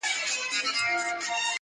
په دښتونو کي چي ګرځې وږی پلی.!